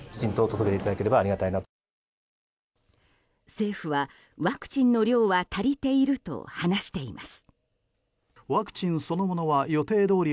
政府は、ワクチンの量は足りていると話しています。